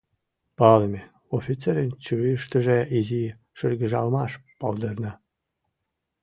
«Палыме» офицерын чурийыштыже изи шыргыжалмаш палдырна.